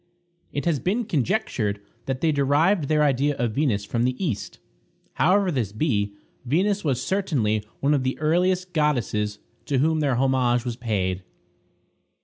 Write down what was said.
It has been conjectured that they derived their idea of Venus from the East. However this be, Venus was certainly one of the earliest goddesses to whom their homage was paid.